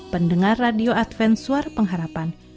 pendengar radio advent suara pengharapan